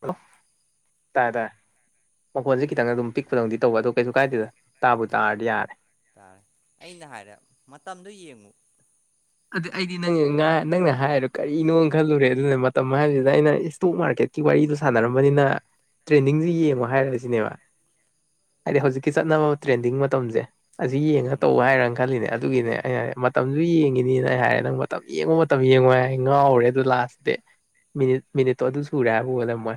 hello bro ꯇꯥꯥꯔꯦ ꯇꯥꯔꯦ ꯃꯈꯣꯟꯁꯦ ꯈꯤꯇꯪ ꯑꯣ ꯑꯗꯨꯝ ꯄꯤꯛꯄꯗꯧꯅꯗꯤ ꯇꯧꯕ ꯑꯗꯣ ꯀꯩꯁꯨ ꯀꯥꯏꯗꯦꯗ ꯇꯥꯕꯨ ꯇꯥꯔꯗꯤ ꯌꯥꯔꯦ ꯇꯥꯔꯦ ꯑꯩꯅ ꯍꯥꯏꯔꯦ ꯃꯇꯝꯗꯣ ꯌꯦꯡꯉꯨ ꯑꯩꯗꯤ ꯅꯪ ꯅꯪꯅ ꯍꯥꯏꯗꯣ ꯀꯔꯤꯅꯣ ꯈꯜꯂꯨꯔꯦ ꯑꯗꯨꯒꯥ ꯃꯇꯝ ꯍꯥꯏꯕꯁꯤꯗ ꯑꯩꯅ ꯏꯁꯇꯣꯛ ꯃꯥꯔꯀꯦꯠ ꯀꯤ ꯋꯥꯔꯤꯗꯣ ꯁꯥꯟꯅꯔꯝꯕꯅꯤꯅ ꯇ꯭ꯔꯦꯟꯗꯤꯡꯁꯦ ꯌꯦꯡꯉꯣ ꯍꯥꯏꯔꯁꯤꯅꯦꯕ ꯍꯥꯢꯗꯤ ꯍꯧꯖꯤꯛ ꯀꯤ ꯆꯠꯅꯕ ꯇ꯭ꯔꯦꯟꯗꯤꯡ ꯃꯇꯝꯁꯦ ꯑꯁꯤ ꯌꯦꯡꯉꯒ ꯎꯝ ꯇꯧ ꯍꯥꯏꯔꯅ ꯈꯜꯂꯤꯅꯦ ꯑꯗꯨꯒꯤꯅꯦ ꯑꯩꯅ ꯃꯇꯝꯁꯨ ꯌꯦꯡꯏꯅꯦ ꯍꯥꯏꯔꯦ ꯅꯪ ꯃꯇꯝ ꯌꯦꯡꯉꯣ ꯃꯇꯝ ꯌꯦꯡꯉꯣ ꯍꯥꯏ ꯉꯥꯎꯔꯦ ꯑꯗꯨ ꯂꯥꯁꯇꯗꯤ ꯃꯤꯅꯤꯠ ꯃꯤꯅꯤꯠꯇꯣ ꯑꯗꯨ ꯁꯨꯔꯦ ꯍꯥꯏꯕ ꯑꯣꯏ ꯂꯩꯔꯝꯕꯩ ꯋꯥꯅꯦ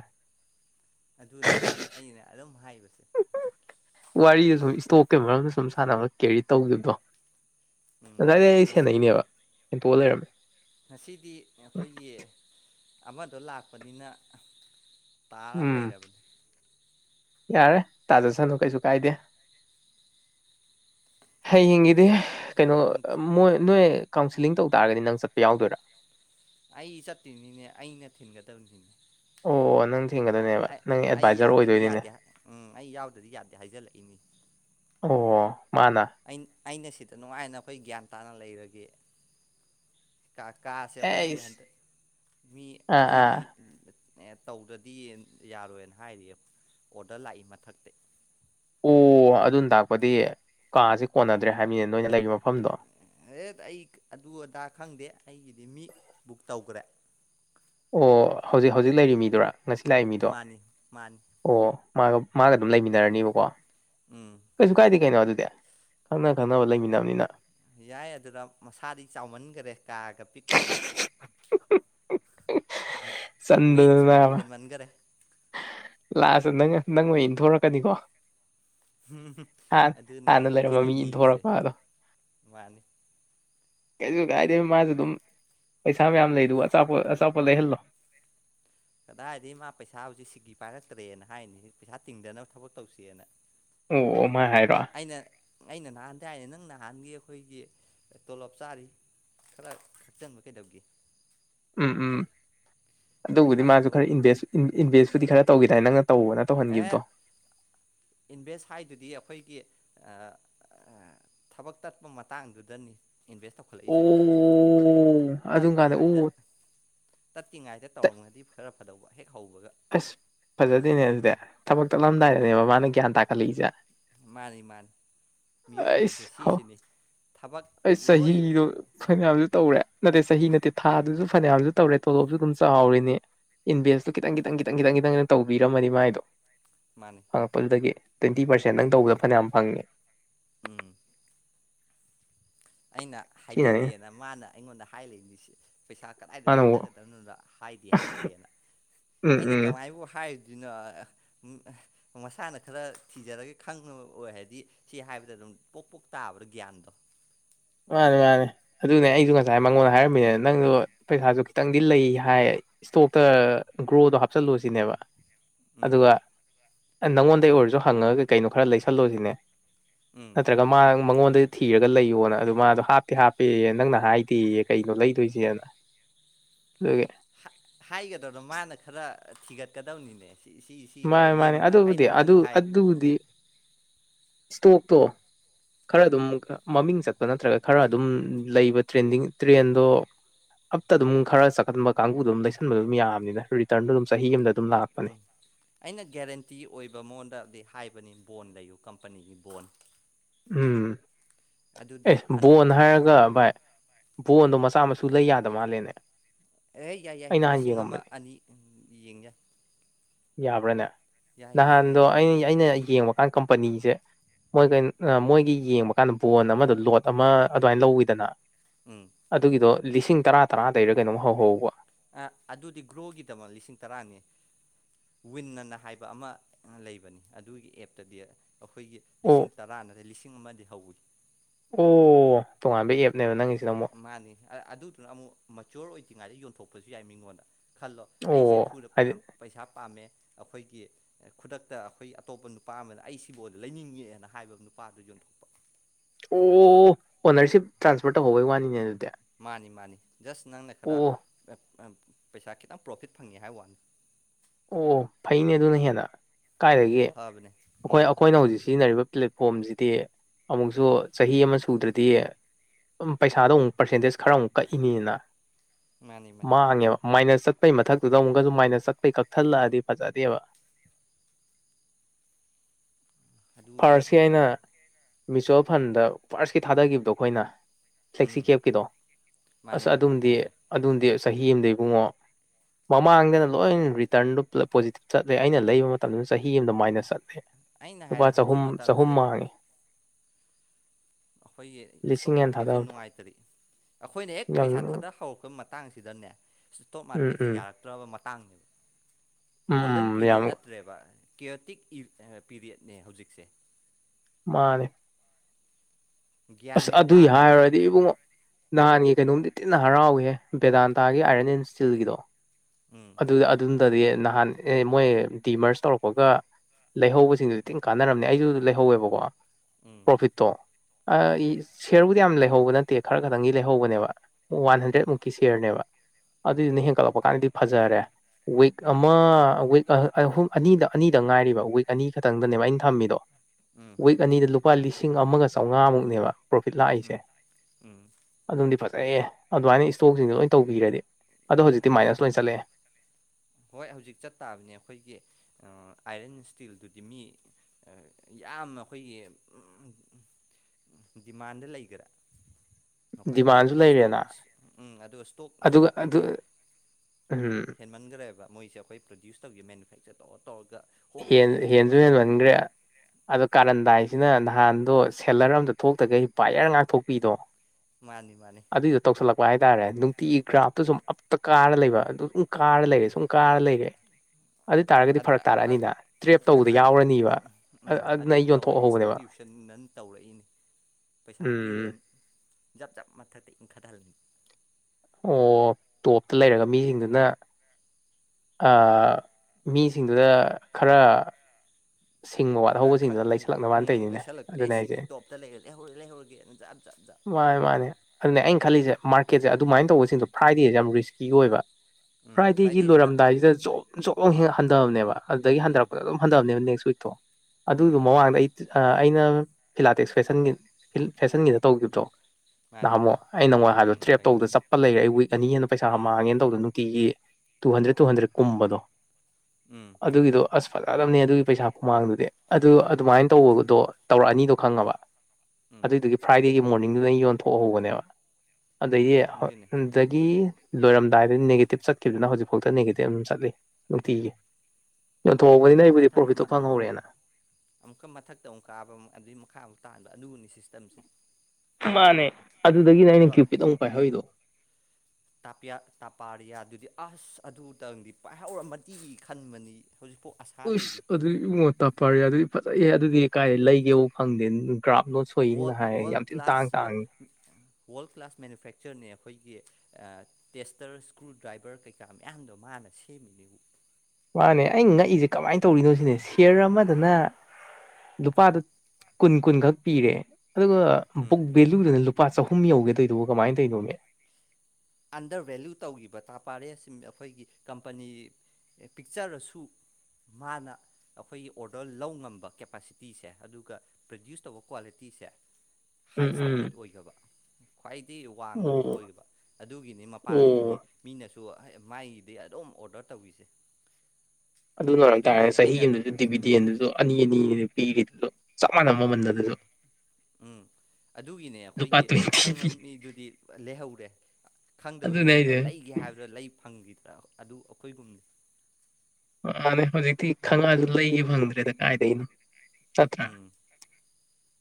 ꯑꯗꯨꯅꯦ ꯑꯩ ꯑꯩꯅ ꯑꯗꯨꯝ ꯍꯥꯏꯕ ꯋꯥꯔꯤꯗꯣ ꯁꯨꯝ ꯏꯁꯇꯣꯛꯀꯤ ꯃꯔꯝꯗ ꯁꯨꯝ ꯁꯥꯟꯅꯕ ꯀꯦꯔꯤ ꯎꯝ ꯇꯧꯈꯤꯕꯗꯣ ꯎꯝ ꯉꯁꯥꯏꯗꯒꯤ ꯑꯩ ꯉꯁꯤ ꯁꯦꯟꯅꯩꯅꯦꯕ ꯍꯦꯟꯇꯣꯛꯑ ꯂꯩꯔꯝꯃꯦ ꯉꯁꯤꯗꯤ ꯑꯩꯈꯣꯏꯒꯤ ꯑꯃꯗꯣ ꯂꯥꯛꯄꯅꯤꯅ ꯇꯥꯔ ꯎꯝ ꯂꯩꯔꯕꯅꯦ ꯌꯥꯔꯦ ꯇꯥꯖꯁꯅꯨ ꯀꯩꯁꯨ ꯀꯥꯏꯗꯦ ꯍꯌꯦꯡꯒꯤꯗꯤ ꯍꯪꯆꯤꯠ ꯀꯩꯅꯣ ꯍꯪꯆꯤꯠ ꯃꯣꯏ ꯅꯣꯏ ꯀꯥꯎꯟꯁꯤꯂꯤꯡ ꯇꯧ ꯇꯥꯔꯒꯗꯤ ꯅꯪ ꯆꯠꯄꯥ ꯌꯥꯎꯗꯣꯏꯔꯣ ꯑꯩ ꯆꯠꯇꯨꯏꯅꯤꯅꯦ ꯑꯩꯅ ꯊꯤꯟꯒꯗꯕꯅꯤꯅꯦ ꯑꯣ ꯅꯪ ꯑꯥ ꯊꯦꯡꯒꯗꯣꯏꯅꯦꯕ ꯑꯥ ꯅꯪ ꯑꯩ ꯑꯦꯗꯚꯥꯏꯖꯔ ꯌꯥꯎꯗꯔꯗꯤ ꯑꯣꯏꯗꯣꯏꯅꯤꯅꯦ ꯌꯥꯗꯦ ꯎꯝ ꯑꯩ ꯌꯥꯎꯗꯔꯗꯤ ꯌꯥꯗꯦ ꯍꯥꯏꯖꯤꯜꯂꯛꯏꯅꯤ ꯑꯣ ꯃꯥꯅ ꯑꯩ ꯑꯩꯅ ꯁꯤꯗ ꯅꯨꯡꯉꯥꯏꯅ ꯑꯩꯈꯣꯏ ꯒ꯭ꯌꯥꯟ ꯇꯥꯅ ꯂꯩꯔꯒꯦ ꯀꯥ ꯀꯥꯁꯦ ꯑꯩꯈꯣꯏꯒꯤ ꯑꯦꯁ ꯍꯟꯗꯛ ꯃꯤ ꯑꯥ ꯑꯅꯤ ꯑꯅꯤ ꯑꯥ ꯑꯦ ꯇꯧꯗ꯭ꯔꯗꯤ ꯌꯥꯔꯣꯏꯅ ꯍꯥꯏꯔꯤꯌꯦ ꯑꯣꯗꯔ ꯂꯥꯛꯏ ꯃꯊꯛ ꯑꯣ ꯑꯗꯨꯅ ꯇꯥꯛꯄꯗꯤ ꯀꯥꯁꯦ ꯀꯣꯟꯅꯗ꯭ꯔꯦ ꯍꯥꯏꯕꯅꯤꯅꯦ ꯅꯣꯏꯅ ꯂꯩꯔꯤꯕ ꯃꯐꯝꯗꯣ ꯑꯦ ꯑꯩ ꯑꯗꯨ ꯑꯗꯥ ꯈꯪꯗꯦ ꯑꯩꯒꯤꯗꯤ ꯃꯤ ꯕꯨꯛ ꯇꯧꯈ꯭ꯔꯦ ꯑꯣ ꯍꯧꯖꯤꯛ ꯍꯧꯖꯤꯛ ꯂꯩꯔꯤꯕ ꯃꯤꯗꯨꯔꯥ ꯉꯁꯤ ꯂꯥꯛꯏ ꯃꯤꯗꯣ ꯃꯥꯅꯤ ꯃꯥꯅꯤ ꯑꯣ ꯃꯥꯒ ꯃꯥꯒ ꯑꯗꯨꯝ ꯂꯩꯃꯤꯟꯅꯔꯅꯤꯕꯀꯣ ꯎꯝ ꯀꯩꯁꯨ ꯀꯥꯏꯗꯦ ꯀꯩꯅꯣ ꯑꯗꯨꯗꯤ ꯈꯪꯅ ꯈꯪꯅꯕ ꯂꯩꯃꯤꯟꯅꯕꯅꯤꯅ ꯌꯥꯏ ꯑꯗꯨꯗ ꯃꯁꯥꯗꯤ ꯆꯥꯎꯃꯟꯈꯔꯦ ꯀꯥꯒ ꯄꯤꯛꯄꯒ ꯆꯟꯗꯅ ꯋꯦꯠꯁꯨ ꯍꯦꯟꯃꯟꯒꯥꯔꯦ ꯂꯁꯇꯥ ꯅꯪ ꯅꯪ ꯃꯣꯏ ꯏꯟꯊꯣꯔꯛꯀꯅꯤꯀꯣ ꯑꯗꯨꯅꯤ ꯍꯥꯟꯅ ꯂꯩꯔꯝꯕ ꯑꯩꯅ ꯃꯤ ꯀꯤꯔꯤꯁꯦ ꯏꯟꯊꯣꯔꯛꯄ ꯑꯗꯣ ꯃꯥꯅꯤ ꯀꯩꯁꯨ ꯀꯥꯏꯗꯦ ꯃꯥꯁꯨ ꯑꯗꯨꯝ ꯄꯩꯁꯥ ꯃꯌꯥꯝ ꯂꯩꯗꯨꯕꯨ ꯑꯆꯥꯄꯣꯠ ꯑꯆꯥꯄꯣꯠ ꯂꯩꯍꯜꯂꯣ ꯀꯗꯥꯏꯗꯗꯤ ꯃꯥ ꯄꯩꯁꯥ ꯍꯧꯖꯤꯛ ꯁꯤꯒꯤ ꯄꯥꯏꯔꯛꯇ꯭ꯔꯦꯅ ꯍꯥꯏꯅꯤ ꯄꯩꯁꯥ ꯇꯤꯡꯗꯅꯕ ꯊꯕꯛ ꯇꯧꯁꯦꯅ ꯑꯣ ꯃꯥ ꯍꯥꯏꯔꯣ ꯑꯩꯅ ꯑꯩꯅ ꯅꯍꯥꯟ ꯊ ꯍꯥꯏꯅꯤ ꯅꯪ ꯅꯍꯥꯟꯒꯤ ꯑꯩꯈꯣꯏꯒꯤ ꯇꯣꯂꯣꯞ ꯆꯥꯔꯤ ꯈꯔ ꯈꯛꯆꯪꯕ ꯀꯩꯗꯧꯒꯦ ꯎꯝ ꯎꯝ ꯄꯩꯁꯥ ꯑꯗꯨꯕꯨꯗꯤ ꯃꯥꯁꯨ ꯂꯩꯇꯕ ꯈꯔ ꯏꯟꯚꯦꯁ ꯏꯟꯚꯦꯁꯄꯨꯗꯤ ꯈꯔ ꯇꯧꯈꯤꯗꯥꯏꯅꯦ ꯅꯪꯅ ꯇꯧꯑꯣꯅ ꯑꯦ ꯇꯧꯍꯟꯈꯤꯕꯗꯣ ꯏꯟꯚꯦꯁ ꯍꯥꯏꯗꯨꯗꯤ ꯑꯩꯈꯣꯏꯒꯤ ꯑꯥ ꯑꯥ ꯊꯕꯛ ꯇꯠꯄ ꯃꯇꯥꯡꯗꯨꯗꯅꯤ ꯏꯟꯚꯦꯁ ꯇꯧ ꯄꯨꯈꯠꯂꯛꯏꯁꯦ ꯑꯣ ꯑꯗꯨꯝ ꯀꯥꯟꯗ ꯇꯠꯇꯔꯤꯉꯥꯏꯗ ꯑꯣ ꯇꯠꯇꯤꯉꯥꯏꯗ ꯇꯧꯔꯝꯃꯥꯗꯤ ꯈꯔ ꯐꯗꯧꯕ ꯍꯦꯛ ꯍꯧꯕꯒ ꯑꯁ ꯐꯖꯗꯦꯅꯦ ꯑꯗꯨꯗꯤ ꯊꯕꯛ ꯇꯠꯂꯝꯗꯥꯏꯗꯅꯦꯕ ꯃꯥꯅ ꯒ꯭ꯌꯥꯟ ꯇꯥꯈꯠꯂꯛꯏꯁꯦ ꯃꯥꯅꯤ ꯃꯥꯅꯤ ꯃꯤꯑꯣꯏꯕꯁꯦ ꯑꯩꯁ ꯍꯧ ꯁꯤꯁꯤꯅꯤ ꯊꯕꯛ ꯑꯩ ꯂꯣꯏ ꯆꯍꯤꯗꯣ ꯐꯅꯌꯥꯝꯁꯨ ꯇꯧꯔꯦ ꯅꯠꯇꯦ ꯆꯍꯤ ꯅꯠꯇꯦ ꯊꯥꯗꯨꯁꯨ ꯐꯅꯌꯥꯝꯁꯨ ꯇꯧꯔꯦ ꯇꯣꯂꯣꯞꯁꯨ ꯑꯗꯨꯝ ꯆꯥꯎꯔꯤꯅꯤ ꯏꯟꯚ ꯈꯤꯇ ꯈꯤꯇꯪ ꯈꯤꯇꯪ ꯇꯪ ꯈꯤꯇꯪ ꯇꯧꯕꯤꯔꯝꯃꯗꯤ ꯃꯥꯏꯗꯣ ꯃꯥꯅꯦ ꯄ ꯑꯗꯨꯗꯒꯤ ꯇ꯭ꯋꯦꯟꯇꯤ ꯄꯥꯔꯁꯦꯟ ꯅꯪ ꯇꯧꯕꯗ ꯐꯅꯌꯥꯝ ꯐꯪꯉꯦ ꯎꯝ ꯑꯩꯅ ꯁꯤꯅꯅꯤ ꯍꯥꯏꯕꯤꯗꯦꯅ ꯃꯥꯅ ꯑꯩꯉꯣꯟꯗ ꯍꯥꯏ ꯂꯩ ꯃꯤꯁꯦ ꯄꯩꯁꯥ ꯀꯗꯥꯏꯗ ꯃꯥꯅ ꯑꯃꯨꯛ ꯊꯥꯗꯒꯗꯕꯅꯣꯅ ꯍꯥꯏꯗꯦ ꯍꯥꯏꯗꯦꯅ ꯎꯝ ꯑꯩꯅ ꯎꯝ ꯀꯃꯥꯏꯅ ꯑꯩꯕꯨ ꯍꯥꯏꯔꯨꯗꯨꯏꯅꯣ ꯃꯁꯥꯅ ꯈꯔ ꯊꯤꯖꯔꯒꯦ ꯈꯪꯕ ꯑꯣꯏꯗꯤ ꯁꯤ ꯍꯥꯏꯕꯗ ꯑꯗꯨꯝ ꯄꯣꯛ ꯄꯣꯛ ꯇꯥꯕꯗꯣ ꯒ꯭ꯌꯥꯟꯗꯣ ꯃꯥꯅꯤ ꯃꯥꯅꯤ ꯑꯗꯨꯅꯦ ꯑꯩꯁꯨ ꯉꯁꯥꯏ ꯃꯉꯣꯟꯗ ꯍꯥꯏꯔꯝꯃꯤꯅꯦꯅ ꯅꯪꯁꯨ ꯄꯩꯁꯥꯁꯨ ꯈꯤꯇꯪꯗꯤ ꯂꯩ ꯍꯥꯏ ꯏꯁꯇꯣꯛꯇ ꯒ꯭ꯔꯣꯗꯣ ꯍꯥꯞꯆꯤꯜꯂꯨꯁꯤꯅꯦꯕ ꯎꯝ ꯑꯗꯨꯒ ꯅꯪꯉꯣꯟꯗꯩ ꯑꯣꯏꯔꯁꯨ ꯍꯪꯉꯒ ꯀꯩꯅꯣ ꯈꯔ ꯂꯩꯁꯜꯂꯣꯁꯤꯅꯦ ꯎꯝ ꯅꯠꯇ꯭ꯔꯒ ꯃꯥ ꯃꯉꯣꯟꯗ ꯊꯤꯔꯒ ꯂꯩꯌꯣꯅ ꯑꯗꯨ ꯃꯥꯗꯣ ꯍꯥꯞꯇꯤ ꯍꯥꯞꯄꯦꯌꯦ ꯅꯪꯅ ꯍꯥꯏꯗꯦꯌꯦ ꯀꯩꯅꯣ ꯂꯩꯗꯣꯏꯁꯦꯅ ꯑꯗꯨꯒꯤ ꯍꯥꯏꯒꯗꯧꯗꯣ ꯃꯥꯅ ꯈꯔ ꯊꯤꯒꯠꯀꯗꯧꯅꯤꯅꯦ ꯁꯤ ꯁꯤ ꯑꯣꯏ ꯃꯥꯅꯦ ꯃꯥꯅꯦ ꯌꯦꯡꯉꯨꯗ ꯑꯗꯨꯕꯨꯗꯤ ꯑꯩꯅ ꯅꯪ ꯑꯗꯨ ꯍꯥꯏ ꯑꯗꯨꯕꯨꯗꯤ ꯏꯁꯇꯣꯛꯇꯣ ꯈꯔ ꯑꯗꯨꯝ ꯃꯃꯤꯡ ꯆꯠꯄ ꯅꯠꯇ꯭ꯔꯒ ꯈꯔ ꯑꯗꯨꯝ ꯂꯩꯕ ꯇ꯭ꯔꯦꯟꯗꯤ ꯇ꯭ꯔꯦꯟꯗꯣ ꯑꯞꯇ ꯑꯗꯨꯝ ꯈꯔ ꯆꯀꯟꯕ ꯀꯥꯡꯕꯨꯗꯨ ꯑꯗꯨꯝ ꯂꯩꯁꯟꯕꯗꯨ ꯑꯗꯨꯝ ꯌꯥꯅꯤꯅ ꯔꯤꯇꯔꯟꯗꯣ ꯑꯗꯨꯝ ꯆꯍꯤ ꯑꯃꯗ ꯑꯗꯨꯝ ꯂꯥꯛꯄꯅꯤ ꯎꯝ ꯑꯩꯅ ꯒꯦꯔꯦꯟꯇꯤ ꯑꯣꯏꯕ ꯃꯉꯣꯟꯗꯗꯤ ꯍꯥꯏꯕꯅꯤ ꯕꯣꯟ ꯂꯩꯌꯨ ꯀꯝꯄꯅꯤꯒꯤ ꯕꯣꯟ ꯎꯝ ꯑꯗꯨꯗꯤ ꯑꯦ ꯍꯟꯗ꯭ꯔꯦꯠ ꯕꯣꯟ ꯍꯥꯏꯔꯒ ꯚꯥꯏ ꯕꯣꯟꯗꯣ ꯃꯆꯥ ꯃꯁꯨ ꯂꯩ ꯌꯥꯗ ꯃꯥꯜꯂꯦꯅꯦ ꯑꯦ ꯌꯥꯏ ꯌꯥꯏ ꯑꯩ ꯅꯍꯥꯟ ꯂꯤꯁꯤꯡ ꯑꯃ ꯌꯦꯡꯉꯝꯕꯅꯦ ꯑꯅꯤ ꯌꯦꯡꯖ ꯌꯥꯕ꯭ꯔꯥꯅꯦ ꯌꯥꯏ ꯂꯤꯁꯤꯡ ꯅꯍꯥꯟꯗꯣ ꯑꯩ ꯑꯩꯅ ꯌꯦꯡꯕ ꯀꯝꯄꯅꯤꯁꯦ ꯃꯣꯏꯒ ꯃꯣꯏꯒꯤ ꯌꯦꯡꯕ ꯀꯥꯟꯗ ꯕꯣꯟ ꯑꯃꯗ ꯂꯣꯠ ꯑꯃ ꯑꯗꯨꯃꯥꯏꯅ ꯂꯧꯋꯤꯗꯅ ꯎꯝ ꯑꯗꯨꯒꯤꯗꯣ ꯂꯤꯁꯤꯡ ꯇꯔꯥ ꯇꯔꯥꯗꯩꯔ ꯀꯩꯅꯣꯝ ꯍꯧꯍꯧꯕ ꯑꯗꯨꯗꯤ ꯒ꯭ꯔꯣꯒꯤꯗꯃꯛ ꯂꯤꯁꯤꯡ ꯇꯔꯥꯅꯤ ꯋꯤꯟꯅ ꯑꯅ ꯍꯥꯏꯕ ꯑꯃ ꯂꯩꯕꯅꯤ ꯑꯗꯨꯒꯤ ꯑꯦꯞꯇꯗꯤ ꯑꯩꯈꯣꯏꯒꯤ ꯑꯣ ꯂꯤꯁꯤꯡ ꯇꯔꯥ ꯅꯠꯇꯦ ꯂꯤꯁꯤꯡ ꯑꯃꯗꯩꯩ ꯍꯧꯏ ꯑꯣ ꯇꯣꯉꯥꯟꯕ ꯑꯦꯞꯅꯦꯕ ꯅꯪꯒꯤꯁꯤꯅ ꯑꯃꯨꯛ ꯃꯥꯅꯤ ꯑꯗꯨꯗꯨꯅ ꯑꯃꯨꯛ ꯃꯆꯣꯔ ꯑꯣꯏꯗ꯭ꯔꯤꯉꯩꯗ ꯌꯣꯟꯊꯣꯛꯄꯁꯨ ꯌꯥꯏ ꯃꯤꯉꯣꯟꯗ ꯈꯜꯂꯣ ꯑꯣ ꯑꯩꯁꯦ ꯊꯨꯅ ꯍꯥꯏꯗꯤ ꯄꯩꯁꯥ ꯄꯥꯝꯃꯦ ꯑꯩꯈꯣꯏꯒꯤ ꯈꯨꯗꯛꯇ ꯑꯩꯈꯣꯏ ꯑꯇꯣꯞꯄ ꯅꯨꯄꯥ ꯑꯃꯅ ꯑꯩ ꯁꯤꯕꯨꯣꯗ ꯂꯩꯅꯤꯡꯉꯦꯅ ꯍꯥꯏꯕ ꯅꯨꯄꯥꯗꯨ ꯌꯣꯟꯊꯣꯛꯄ ꯑꯣ ꯑꯣꯅꯔꯁꯤꯞ ꯇ꯭ꯔꯥꯟꯁꯐꯔ ꯇꯧꯍꯧꯕꯩ ꯋꯥꯅꯤꯅꯦ ꯑꯗꯨꯗꯤ ꯃꯥꯅꯤ ꯃꯥꯅꯤ ꯖꯁ ꯅꯪꯅ ꯈꯔ ꯑꯣ ꯄꯩꯁꯥ ꯈꯤꯇꯪ ꯄ꯭ꯔꯣꯐꯤꯠ ꯐꯪꯉꯤ ꯍꯥꯏꯕ ꯋꯥꯅꯤ ꯑꯣ ꯑꯣ ꯐꯩꯅꯦ ꯑꯗꯨꯅ ꯍꯦꯟꯅ ꯀꯥꯏꯗꯒꯤꯦ ꯐꯕꯅꯦ ꯑꯩꯈꯣꯏ ꯎꯝ ꯑꯩꯈꯣꯏꯅ ꯍꯧꯖꯤꯛ ꯁꯤꯖꯤꯟꯅꯔꯤꯕ ꯄ꯭ꯂꯦꯠꯐꯣꯝꯁꯤꯗꯤ ꯑꯃꯨꯛꯁꯨ ꯆꯍꯤ ꯑꯃ ꯁꯨꯗ꯭ꯔꯗꯤ ꯄꯩꯁꯥꯣꯨꯛ ꯄꯔꯁꯦꯟꯇꯦꯖ ꯈꯔ ꯑꯃꯨꯛ ꯀꯛꯏꯅꯤꯅ ꯃꯥꯅꯤ ꯃꯥꯅꯤ ꯃꯥꯡꯉꯦꯕ ꯃꯥꯏꯅ ꯆꯠꯄꯩ ꯃꯊꯛꯇꯨꯗ ꯑꯃꯨꯛꯀꯁꯨ ꯃꯥꯏꯅ ꯆꯠꯄꯩ ꯀꯛꯊꯠꯂꯛꯑꯗꯤ ꯐꯖꯗꯦꯕ ꯑꯗꯨ ꯐꯥꯔꯁꯁꯤ ꯑꯩꯅ ꯆꯠꯀꯗꯕꯅꯤ ꯃꯤ꯭ꯨꯆ꯭ꯋꯦꯜ ꯐꯟꯗ ꯐꯥꯔꯁꯀꯤ ꯊꯥꯗꯈꯤꯕꯗꯣ ꯑꯩꯈꯣꯏꯅ ꯐ꯭ꯂꯦꯛꯁꯤ ꯎꯝ ꯀꯦꯞꯀꯤꯗꯣ ꯃꯥꯅꯤ ꯑꯁ ꯃꯥꯅꯤ ꯑꯗꯨꯝꯗꯤ ꯈꯪꯉꯤ ꯈꯪꯉꯤ ꯑꯗꯨꯗꯤ ꯆꯍꯤ ꯑꯃꯗꯒꯤꯩꯕꯨꯡꯉꯣ ꯃꯃꯥꯡꯗꯅ ꯂꯣꯏ ꯇꯔꯟꯗꯨ ꯄꯨꯂ ꯄꯣꯖꯤꯇꯤꯞ ꯆꯠꯂꯦ ꯑꯩꯅ ꯂꯩꯕ ꯃꯇꯝꯗꯨꯗ ꯆꯍꯤ ꯑꯃꯗ ꯃꯥꯏꯅꯁ ꯆꯠꯂꯦ ꯑꯩꯅ ꯂꯨꯄꯥ ꯍꯥꯏꯔꯦ ꯆꯍꯨꯝ ꯍꯧꯖꯤꯛ ꯆꯍꯨꯝ ꯃꯇꯝꯁꯦ ꯃꯥꯡꯉꯤ ꯑꯩꯈꯣꯏꯒꯤ ꯏꯁꯇꯣꯛ ꯃꯥꯔꯀꯦꯠꯁꯦ ꯊꯥꯗꯕꯗꯣ ꯅꯨꯡꯉꯥꯏꯇꯔꯤ ꯑꯩꯈꯣꯏꯅ ꯍꯦꯛ ꯄꯩꯁꯥ ꯌꯥꯝ ꯊꯥꯗ ꯍꯧꯔꯛꯄ ꯃꯇꯝ ꯃꯇꯥꯡꯁꯤꯗꯅꯦ ꯏꯁꯇꯣꯛ ꯎꯝ ꯃꯥꯔꯀꯦꯠꯁꯤ ꯎꯝ ꯌꯥꯔꯛꯇ꯭ꯔꯕ ꯃꯇꯥꯡꯅꯦꯕ ꯎꯝ ꯒꯣꯜꯗꯟ ꯎꯝ ꯌꯥꯝ ꯄꯤꯔꯤꯌꯠ ꯅꯠꯇ꯭ꯔꯦꯕ ꯀꯦꯌꯣꯇꯤꯛ ꯄꯤꯔꯤꯌꯠꯅꯦ ꯍꯧꯖꯤꯛꯁꯦ ꯃꯥꯅꯦ ꯒ꯭ꯌꯥꯟ ꯑꯁ ꯃꯦꯟ ꯑꯗꯨꯏ ꯇꯥꯗꯕ ꯍꯥꯏꯔꯨꯔꯗꯤ ꯄꯤꯔꯤꯁꯦ ꯏꯕꯨꯡꯉꯣ ꯅꯍꯥꯟꯒꯤ ꯀꯩꯅꯣꯝꯗꯤ ꯊꯤꯟꯅ ꯍꯔꯥꯎꯋꯦ ꯕꯦꯗꯥꯟꯇꯥꯒꯤ ꯑꯥꯏꯔꯟ ꯑꯦꯟ ꯁ꯭ꯇꯤꯜꯒꯤꯗꯣ ꯎꯝ ꯑꯗꯨꯗ ꯑꯗꯨꯝꯗꯗꯤ ꯅꯍꯥꯟ ꯑꯦ ꯃꯣꯏ ꯗꯤꯃꯔꯁ ꯇꯧꯔꯛꯄꯒ ꯂꯩꯍꯧꯕꯁꯤꯡꯗꯨꯗꯤ ꯇꯦꯡ ꯀꯥꯟꯅꯔꯝꯅꯦ ꯑꯩꯁꯨ ꯑꯗꯨ ꯂꯩꯍꯧꯋꯦꯕꯀꯣ ꯎꯝ ꯄ꯭ꯔꯣꯐꯤꯠꯇꯣ ꯑ ꯎꯝ ꯁꯤꯌꯔꯕꯨꯗꯤ ꯌꯥꯝ ꯂꯩꯍꯧꯕ ꯅꯠꯇꯦ ꯈꯔ ꯈꯛꯇꯪꯒꯤ ꯂꯩꯍꯧꯕꯅꯦꯕ ꯋꯥꯟ ꯎꯝ ꯍꯟꯗ꯭ꯔꯦꯗ ꯃꯨꯛꯀꯤ ꯁꯤꯌꯔꯅꯦꯕ ꯎꯝ ꯑꯗꯨꯏꯗꯨꯅ ꯍꯦꯟꯒꯠꯂꯛꯄ ꯀꯥꯟꯗꯗꯤ ꯐꯖꯔꯦ ꯋꯤꯛ ꯑꯃ ꯋꯤꯛ ꯑꯍꯨꯝ ꯑꯅꯤꯗ ꯑꯅꯤꯗ ꯉꯥꯏꯔꯤꯕ ꯋꯤꯛ ꯑꯅꯤꯈꯛꯇꯪꯗꯅꯦꯕ ꯑꯩꯅ ꯊꯝꯃꯤꯗꯣ ꯎꯝ ꯋꯤꯛ ꯑꯅꯤꯗ ꯂꯨꯄꯥ ꯂꯤꯁꯤꯡ ꯑꯃꯒ ꯆꯥꯝꯃꯉꯥꯃꯨꯛꯅꯦꯕ ꯄ꯭ꯔꯣꯐꯤꯠ ꯂꯥꯛꯏꯁꯦ ꯎꯝ ꯎꯝ ꯑꯗꯨꯝꯗꯤ ꯐꯖꯩꯌꯦ ꯑꯗꯨꯃꯥꯏꯅ ꯏꯁꯇꯣꯛꯁꯤꯡꯗꯣ ꯂꯣꯏꯅ ꯇꯧꯕꯤꯈ꯭ꯔꯗꯤ ꯍꯧꯖꯤꯛ ꯍꯣꯏ ꯍꯧꯖꯤꯛ ꯆꯠ ꯇꯥꯕꯅꯦ ꯑꯩꯈꯣꯏꯒꯤ ꯑꯥꯏꯔꯟ ꯏꯁ꯭ꯇꯤꯜꯗꯨꯗꯤ ꯃꯤ ꯌꯥꯝꯅ ꯑꯩꯈꯣꯏꯒꯤ ꯗꯤꯃꯥꯟꯗ ꯂꯩꯒꯦꯔꯥ ꯑꯩꯈꯣꯏꯒꯤ ꯗꯤꯃꯥꯟꯁꯨ ꯏꯁꯇꯣꯛ ꯂꯩꯔꯦꯅ ꯎꯝ ꯑꯗꯨꯒ ꯏꯁꯇꯣꯛꯁꯨ ꯑꯗꯨꯒ ꯑꯗꯨ ꯑꯩꯈꯣꯏꯒꯤ ꯎꯝ ꯍꯦꯟꯃꯟꯈ꯭ꯔꯦꯕ ꯃꯣꯏꯁꯦ ꯑꯩꯈꯣꯏ ꯄ꯭ꯔꯗ꯭ꯌꯁ ꯇꯧꯁꯦꯨꯐꯦꯛꯆꯔ ꯇꯧꯔ ꯇꯧꯔꯒ ꯍꯣꯡ ꯍꯣꯡꯅ ꯍꯦꯟꯁꯨ ꯌꯣꯟꯊꯣꯛꯃꯟꯈ꯭ꯔꯦ ꯍꯦꯟꯃꯟꯈ꯭ꯔꯦ ꯑꯗꯣ ꯀꯥꯔꯝꯗꯥꯏꯁꯤꯅ ꯅꯍꯥꯟꯗꯣ ꯁꯦꯂꯔ ꯑ ꯑꯃꯗ ꯊꯣꯛꯇ꯭ꯔꯒꯩ ꯄꯥꯏꯌꯔ ꯉꯥꯛ ꯇꯊꯣꯛꯄꯤꯗꯣ ꯃꯥꯅꯤ ꯃꯥꯅꯤ ꯑꯗꯨꯏꯗꯣ ꯇꯧꯁꯜꯂꯛꯄ ꯍꯥꯏꯇꯥꯔꯦ ꯅꯨꯡꯇꯤꯒꯤ ꯒ꯭ꯔꯥꯐꯇꯨ ꯁꯨꯝ ꯑꯞꯇ ꯀꯥꯔ ꯂꯩꯕ ꯑꯗꯨ ꯁꯨꯝ ꯀꯥꯔ ꯂꯩꯔꯦ ꯁꯨꯝ ꯀꯥꯔ ꯂꯩꯔꯦ ꯂꯩ ꯑꯗꯨ ꯑꯣꯏ ꯇꯥꯔꯒꯗꯤ ꯐꯔꯛ ꯇꯥꯔꯛꯑꯅꯤꯅ ꯇ꯭ꯔꯦꯞ ꯇꯧꯕꯗ ꯌꯥꯎꯔꯅꯤꯕ ꯎꯝ ꯑꯗꯨꯅ ꯑꯩ ꯑꯗꯨꯗꯣ ꯑꯩꯈꯣꯏ ꯌꯣꯟꯊꯣꯛꯍꯧꯕꯅꯦꯕ ꯏꯟꯁꯇꯤꯇ꯭ꯌꯨꯁꯟ ꯅꯪ ꯇꯧꯔꯛꯏꯅꯤ ꯄꯩꯁꯥ ꯎꯝ ꯄꯤꯔꯒ ꯖꯞ ꯖꯞ ꯃꯊꯛꯇ ꯏꯪꯈꯠꯍꯜꯂꯅꯤ ꯑꯣ ꯇꯣꯞꯇ ꯂꯩꯔꯒ ꯃꯤꯁꯤꯡꯗꯨꯅ ꯑꯥ ꯃꯤꯁꯤꯡꯗꯨꯗ ꯈꯔ ꯁꯤꯡꯕ ꯈꯔ ꯈꯪ ꯋꯥꯠꯍꯧꯕꯁꯤꯡꯗꯨꯅ ꯎ ꯂꯩꯁꯜꯂꯛꯅꯕꯅ ꯇꯧꯔꯤꯅꯤꯅꯦ ꯂꯩꯁꯜꯂꯛꯇꯣ ꯑꯦ ꯑꯗꯨꯅꯦ ꯑꯩꯁꯦ ꯁꯤꯗꯤ ꯇꯣꯞꯇ ꯂꯩꯔꯦ ꯂꯩꯍꯧꯔꯦ ꯂꯩꯍꯧꯒꯦꯅ ꯖꯥꯠ ꯖꯠꯖꯥꯠ ꯃꯥꯅꯦ ꯃꯥꯅꯦ ꯑꯗꯨꯅꯦ ꯑꯩꯅ ꯈꯜꯂꯤꯁꯦ ꯃꯥꯔꯀꯦꯠꯁꯦ ꯑꯗꯨꯃꯥꯏꯅ ꯇꯧꯕꯁꯤꯡꯗꯣ ꯐ꯭ꯔꯥꯏꯗꯦꯁꯦ ꯌꯥꯝ ꯔꯤꯁꯀꯤ ꯑꯣꯏꯕ ꯎꯝ ꯐ꯭ꯔꯥꯏꯗꯦꯒꯤ ꯐ꯭ꯔꯥꯏꯗꯦꯁꯤꯅ ꯂꯣꯏꯔꯝꯗꯥꯏꯁꯤꯗ ꯖꯣ ꯆꯣꯛꯂꯣꯡ ꯍꯟꯊꯑꯕꯅꯦꯕ ꯑꯗꯨꯗꯒꯤ ꯎꯝ ꯍꯟꯊꯔꯛꯄꯗ ꯑꯗꯨꯝ ꯍꯟꯊꯕꯅꯦꯕ ꯅꯦꯛꯁ ꯋꯤꯛꯇꯣ ꯎꯝ ꯑꯗꯨꯗꯨ ꯃꯃꯥꯡꯗ ꯑꯩ ꯑꯩꯅ ꯐꯤꯂꯥꯇꯦꯛꯁ ꯐꯦꯁꯟꯒꯤ ꯐꯦꯁꯟꯒꯤꯗ ꯇꯧꯈꯤꯕꯗꯣ ꯃꯥꯅꯤ ꯅꯍꯃꯣ ꯃꯥꯅꯤ ꯑꯩ ꯅꯪꯉꯣꯏ ꯎꯝ ꯍꯥꯏꯕꯗꯣ ꯎꯝ ꯇ꯭ꯔꯦꯞ ꯈꯪꯉꯤ ꯇꯧꯕꯗ ꯆꯠꯄ ꯂꯩꯔꯦ ꯑꯩ ꯋꯤꯛ ꯑꯅꯤ ꯍꯦꯅ ꯄꯩꯁꯥ ꯎꯝ ꯃꯥꯡꯉꯦꯅ ꯇꯧꯗꯣ ꯅꯨꯡꯇꯤꯒꯤ ꯇꯨ ꯍꯟꯗ꯭ꯔꯦꯠ ꯇꯨ ꯍꯟꯗ꯭ꯔꯦꯠ ꯀꯨꯝꯕꯗꯣ ꯎꯝ ꯑꯗꯨꯒꯤꯗꯣ ꯑꯁ ꯐꯖꯗꯝꯅꯤꯍꯦ ꯑꯗꯨꯒꯤ ꯄꯩꯁꯥ ꯃꯃꯥꯡꯗꯗꯤ ꯑꯗꯨ ꯑꯗꯨꯃꯥꯏꯅ ꯇꯧꯕꯗꯣ ꯇꯧꯔꯛꯑꯅꯤꯗꯣ ꯈꯪꯉꯕ ꯎꯝ ꯑꯗꯨꯏꯗꯨꯒꯤ ꯐ꯭ꯔꯥꯏꯗꯦꯒꯤ ꯃꯣꯔꯅꯤꯡꯗꯨꯗ ꯌꯣꯟꯊꯣꯛ ꯍꯧꯕꯅꯦꯕ ꯑꯗꯩꯗꯤ ꯑꯗꯨꯅꯦ ꯗꯒꯤ ꯂꯣꯏꯔꯝꯗꯥꯏꯗ ꯅꯦꯒꯦꯇꯤꯞ ꯆꯠꯈꯤꯕꯗꯨꯅ ꯍꯧꯖꯤꯛꯐꯥꯎꯗ ꯅꯦꯒꯦꯇꯤꯞ ꯑꯗꯨꯝ ꯆꯠꯂꯤ ꯅꯨꯡꯇꯤꯒꯤ ꯌꯣꯟꯊꯣꯛꯍꯧꯕꯅꯤꯅ ꯑꯃꯨꯛꯀ ꯑꯩꯕꯨꯗꯤ ꯃꯊꯛ ꯄ꯭ꯔꯣꯐꯤꯠꯇꯣ ꯐꯪꯍꯧꯔꯦꯅ ꯑꯃꯨꯛꯀ ꯃꯊꯛꯇ ꯑꯃꯨꯛ ꯀꯥꯕ ꯑꯗꯨꯏ ꯃꯈꯥ ꯑꯃꯨꯛ ꯇꯥꯟꯕ ꯑꯗꯨꯕꯨꯅꯤ ꯁꯤꯁꯇꯝꯁꯦ ꯃꯥꯅꯦ ꯑꯗꯨꯗꯒꯤꯅꯦ ꯑꯩꯅ ꯀ꯭ꯌꯨꯄꯤꯦꯠ ꯑꯃꯨꯛ ꯄꯥꯏꯍꯧꯔꯤꯗꯣ ꯇꯥꯄꯥꯔꯤꯌꯥꯗꯨꯗꯤ ꯑꯁ ꯑꯗꯨꯇꯪꯗꯤ ꯄꯥꯏꯍꯧꯔꯝꯃꯗꯤ ꯈꯟꯕꯅꯤ ꯍꯧꯖꯤꯛꯐꯥꯎ ꯑꯁꯥ ꯎꯁ ꯂꯩꯔꯤ ꯑꯗꯨꯗꯤ ꯏꯕꯨ ꯇꯥꯞꯐ꯭ꯔꯤꯌꯥ ꯗꯨꯗꯤ ꯐꯖꯩꯑꯦ ꯑꯗꯨꯗꯤ ꯀꯥꯏ ꯂꯩꯒꯦꯕꯨ ꯐꯪꯗꯦ ꯒ꯭ꯔꯥꯐ ꯅꯣꯠ ꯁꯣꯏꯅ ꯋꯥꯜ ꯍꯥꯏ ꯋꯥꯔꯜ ꯌꯥꯝ ꯊꯤꯅ ꯇꯥꯡ ꯄ꯭ꯂꯥꯁ ꯇꯥꯡꯉꯤ ꯋꯥꯔꯜ ꯀ꯭ꯂꯥꯁ ꯃꯦꯅꯨꯐꯦꯛꯆꯔꯅꯤ ꯑꯩꯈꯣꯏꯒꯤ ꯇꯦꯁꯇꯔ ꯁ꯭ꯀ꯭ꯔꯨ ꯗ꯭ꯔꯥꯏꯕꯔ ꯀꯩꯀꯥ ꯃꯌꯥꯝꯗꯣ ꯃꯥꯅ ꯁꯦꯝꯃꯤꯅꯤ ꯃꯥꯅꯦ ꯑꯩ ꯉꯛꯏꯁꯦ ꯀꯃꯥꯏꯅ ꯇꯧꯔꯤꯅꯣ ꯁꯤꯅꯦ ꯁꯌꯔ ꯑꯃꯗꯅ ꯂꯨꯄꯥꯗ ꯀꯨꯟ ꯀꯨꯟꯈꯛ ꯄꯤꯔꯦ ꯑꯗꯨꯒ ꯎꯝ ꯕꯨꯛ ꯚꯦꯂꯨꯗꯨꯅ ꯂꯨꯄꯥ ꯆꯍꯨꯝ ꯌꯧꯒꯦꯗꯣꯏꯗꯨꯣ ꯀꯃꯥꯏꯅ ꯇꯧꯅꯣꯅꯦ ꯑꯟꯗꯔ ꯚꯦꯂꯨ ꯇꯧꯈꯤꯕ ꯇ ꯄꯥꯔꯦ ꯑꯩꯈꯣꯏꯒꯤ ꯀꯝꯄꯅꯤ ꯄꯤꯛꯆꯔꯁꯨ ꯃꯥꯅ ꯑꯩꯈꯣꯏꯒꯤ ꯑꯣꯔꯗꯔ ꯂꯧ ꯉꯝꯕ ꯀꯦꯄꯥꯁꯤꯇꯤꯁꯦ ꯑꯗꯨꯒ ꯄ꯭ꯔꯗ꯭ꯌꯨꯁ ꯇꯧꯕ ꯀ꯭ꯋꯥꯂꯤꯇꯤꯁꯦ ꯍꯥꯏ ꯎꯝ ꯎꯝ ꯁ꯭ꯇꯦꯟꯗꯔꯠ ꯑꯣꯏꯗꯕ ꯈ꯭ꯋꯥꯏꯗꯒꯤ ꯑꯣ ꯋꯥꯡꯗꯕ ꯑꯣꯏꯕ ꯑꯗꯨꯒꯤꯅꯤ ꯃꯄꯥꯟꯒꯤ ꯑꯣ ꯃꯤꯅꯁꯨ ꯃꯥꯏꯗꯤ ꯑꯗꯨꯝ ꯑꯣꯔꯗꯔ ꯇꯧꯈꯤꯁꯦ ꯑꯗꯨꯅ ꯑꯣꯏꯔꯝꯇꯥꯥꯔꯦ ꯆꯍꯤ ꯑꯩꯅ ꯑꯃꯗꯗꯤ ꯗꯤꯕꯤꯗꯦꯟꯗꯨꯁꯨ ꯑꯅꯤ ꯑꯅꯤ ꯅꯨꯄꯤꯒꯤꯗꯨꯁꯨ ꯆꯞ ꯃꯥꯟꯅꯕ ꯃꯃꯜꯗ ꯑꯗꯨ [inaudible] ꯎꯝ ꯑꯗꯨꯒꯤꯅꯦ ꯂꯨꯄꯥ ꯑꯩꯈꯣꯏꯒꯤ ꯇ꯭ꯋꯦꯟꯇꯤ ꯑꯈꯪꯕ ꯄꯤ ꯃꯤꯗꯨꯗꯤ ꯂꯩꯍꯧꯔꯦ ꯈꯪꯗꯕ ꯑꯗꯨꯅꯦ ꯃꯤꯗꯨꯅ ꯑꯩꯁꯦ ꯂꯩꯒꯦ ꯍꯥꯏꯕꯗꯥ ꯂꯩ ꯐꯪꯈꯤꯗ꯭ꯔꯥ ꯑꯗꯨ ꯑꯩꯈꯣꯏꯒꯨꯝꯅꯤ ꯃꯅꯦ ꯍꯧꯖꯤꯛꯇꯤ ꯈꯪꯉꯥꯛꯑꯁꯨ ꯂꯩꯒꯦ ꯐꯪꯗ꯭ꯔꯦꯗ ꯀꯥꯏꯗꯩꯅꯣ ꯅꯠꯇ꯭ꯔꯥ ꯎꯝ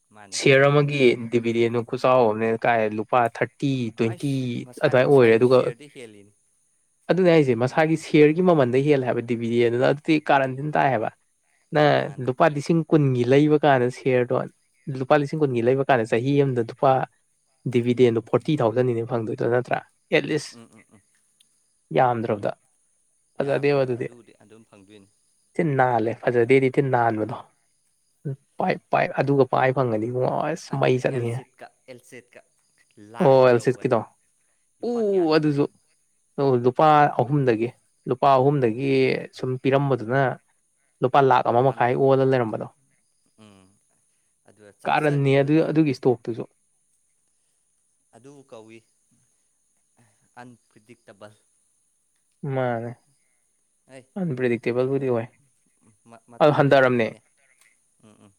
ꯃꯥꯅꯤ ꯁꯤꯌꯔ ꯑꯃꯒꯤ ꯗꯤꯕꯤꯗꯦꯟꯗꯨ ꯈꯨꯆꯥꯎ ꯑꯃꯅꯦ ꯀꯥꯏ ꯂꯨꯄꯥ ꯊꯥ꯭ꯔꯇꯤ ꯇꯤ ꯇ꯭ꯋꯦꯟꯇꯤ ꯑꯩꯁ ꯃꯁꯥꯏ ꯑꯗꯨꯃꯥꯏ ꯑꯣꯏꯔꯦ ꯃꯁꯥꯏ ꯑꯗꯨꯒ ꯁꯤꯌꯔꯗꯤ ꯍꯦꯜꯂꯤꯅꯤ ꯑꯗꯨꯅꯦ ꯑꯩꯁꯦ ꯃꯁꯥꯒꯤ ꯁꯌ꯭ꯔꯒꯤ ꯃꯃꯜꯗꯩ ꯍꯦꯜꯂꯦ ꯍꯥꯏꯕ ꯗꯤꯕꯤꯗꯦꯟ ꯑꯗꯨꯅ ꯑꯗꯨꯗꯤ ꯀꯥꯔꯟ ꯊꯤ ꯇꯥꯏ ꯍꯥꯢꯕ ꯅꯪ ꯃꯥꯅꯤ ꯂꯨꯄꯥ ꯂꯤꯁꯤꯡ ꯀꯨꯟꯒꯤ ꯂꯩꯕ ꯀꯥꯟꯗ ꯁꯤꯌꯔꯗꯣ ꯂꯨꯄꯥ ꯂꯤꯁꯤꯡ ꯀꯨꯟꯒꯤ ꯂꯩꯕ ꯀꯥꯟꯗ ꯆꯍꯤ ꯑꯃꯗ ꯂꯨꯄꯥ ꯗꯤꯕꯤꯗꯦꯟꯗꯣ ꯐꯣꯔꯇꯤ ꯊꯥꯎꯖꯟꯅꯤꯅꯦ ꯐꯪꯗꯣꯏꯗꯣ ꯅꯠꯇ꯭ꯔꯥ ꯑꯦꯠꯂꯤꯁ ꯎꯝ ꯎꯝ ꯎꯝ ꯌꯥꯝꯗ꯭ꯔꯕꯗ ꯌꯥꯝꯗ꯭ꯔꯕ ꯑꯗꯨꯗꯤ ꯑꯗꯨꯝ ꯐꯪꯗꯣꯏꯅꯤ ꯊꯤꯅ ꯅꯥꯜꯂꯦ ꯐꯖꯗꯦꯗꯤ ꯊꯤꯅ ꯅꯥꯟꯕꯗꯣ ꯄꯥꯏ ꯄꯥꯏ ꯑꯗꯨꯒ ꯄꯥꯏ ꯐꯪꯉꯥꯅꯤ ꯏꯕꯨꯡꯉꯣ ꯑꯁ ꯃꯩ ꯆꯠ ꯑꯦꯜꯖꯦꯠꯀꯥ ꯑꯦꯜꯖꯦꯠꯀꯥ ꯂꯥꯛ ꯌꯧꯒꯗꯧ ꯎꯨ ꯑꯗꯨꯁꯨ ꯂꯨꯄꯥ ꯑꯍꯨꯝꯗꯒꯤ ꯂꯨꯄꯥ ꯑꯍꯨꯝꯗꯒꯤ ꯁꯨꯝ ꯄꯤꯔꯝꯕꯗꯨꯅ ꯂꯨꯄꯥ ꯂꯥꯛ ꯑꯃ ꯋꯥꯟ ꯃꯈꯥꯏ ꯑꯣꯜꯂ ꯂꯩꯔꯝꯕꯗꯣ ꯎꯝ ꯑꯗꯨꯗ ꯀꯥꯔꯟꯅꯤ ꯆꯥꯛꯆꯈꯤꯕ ꯑꯗꯨ ꯑꯗꯨꯒꯤ ꯏꯁꯇꯣꯛꯇꯨꯁꯨ ꯑꯗꯨꯕꯨ ꯀꯧꯏ ꯑꯟꯄ꯭ꯔꯤꯗꯤꯛꯇꯦꯕꯜ ꯃꯥꯅꯦ ꯑꯟꯄ꯭ꯔꯦꯗꯤꯛꯇꯦꯕꯜꯕꯨꯗꯤ ꯑꯣꯢ ꯎꯝ ꯃꯇꯝꯗꯣ ꯌꯦꯡꯉꯨꯅꯦ ꯎꯝ ꯎꯝ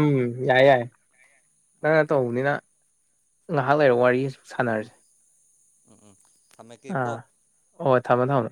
ꯎꯝ ꯌꯥꯏ ꯌꯥꯏ ꯅꯪꯅ ꯑꯣꯀꯦ ꯑꯣꯀꯦ ꯇꯧꯕꯅꯤꯅ ꯉꯥꯏꯍꯥꯛ ꯂꯩꯔꯒ ꯋꯥꯔꯤ ꯁꯥꯟꯅꯔꯁꯦ ꯎꯝ ꯎꯝ ꯊꯝꯃꯒꯦꯀꯣ ꯑꯥ ꯍꯣꯏ ꯍꯣꯏ ꯊꯝꯃꯣ ꯊꯝꯃꯣ